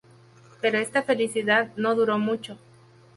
Pero esta felicidad no duró mucho.